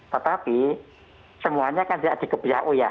tetapi semuanya kan tidak dikepu ya